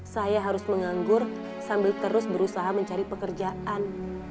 saya harus menganggur sambil terus berusaha mencari pekerjaan